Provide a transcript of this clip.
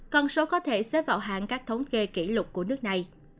con số có thể xếp vào hàng các thống kê kỷ lục của nước này